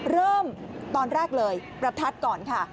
เริ่มตอนแรกเลยประทัดก่อนค่ะ